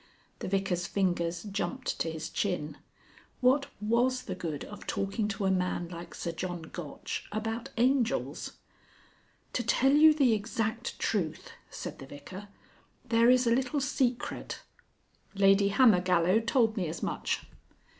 The Vicar's fingers jumped to his chin. What was the good of talking to a man like Sir John Gotch about Angels? "To tell you the exact truth," said the Vicar, "there is a little secret " "Lady Hammergallow told me as much."